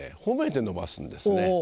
褒めて伸ばすんですね。